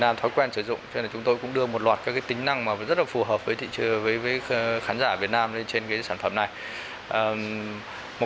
các đội dung đều được tính chỉnh sao cho phù hợp với từng nửa tuổi người sử dụng khác nhau